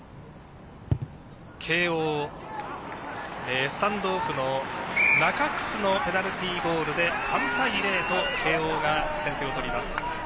慶応、スタンドオフの中楠のペナルティゴールで３対０と慶応が先手を取ります。